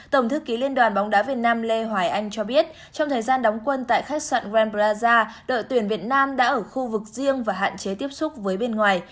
tổng thư ký liên đoàn bóng đá việt nam lê hoài anh cho biết trong thời gian đóng quân tại khách sạn grand praza đội tuyển việt nam đã ở khu vực riêng và hạn chế tiếp xúc với bên ngoài